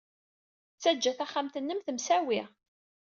Ttajja taxxamt-nnem temsawi.